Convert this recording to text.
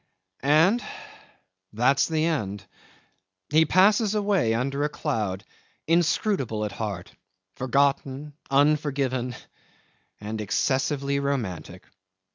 'And that's the end. He passes away under a cloud, inscrutable at heart, forgotten, unforgiven, and excessively romantic.